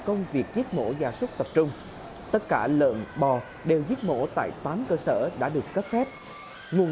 công việc giết mổ gia súc tập trung tất cả lợn bò đều giết mổ tại tám cơ sở đã được cấp phép nguồn